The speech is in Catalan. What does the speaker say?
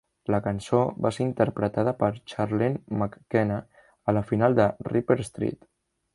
La cançó va ser interpretada per Charlene McKenna a la final de "Ripper Street".